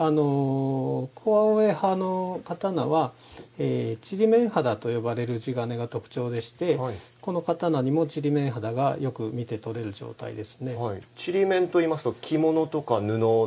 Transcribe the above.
古青江派の刀はちりめん肌とよばれる地鉄が特徴でして、この刀にもちりめん肌がよく見て取れる状態です。